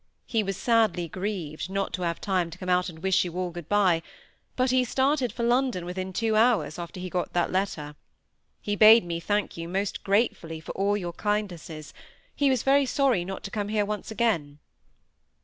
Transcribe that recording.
He was sadly grieved not to have time to come out and wish you all good by; but he started for London within two hours after he got that letter. He bade me thank you most gratefully for all your kindnesses; he was very sorry not to come here once again."